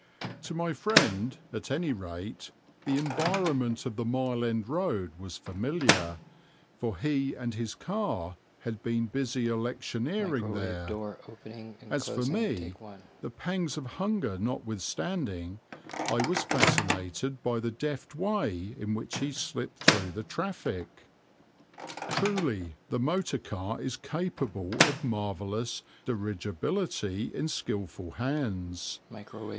To my friend, at any rate, the environment of the Mile End Road was familiar, for he and his car had been busy electioneering there; as for me, the pangs of hunger notwithstanding, I was fascinated by the deft way in which he slipped through the traffic. Truly the motor car is capable of marvellous dirigibility in skilful hands.